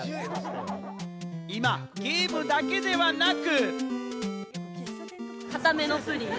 今ゲームだけではなく。